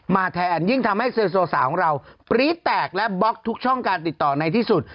แทนยิ่งทำให้เซลโซสาวของเราปรี๊ดแตกและบล็อกทุกช่องการติดต่อในที่สุด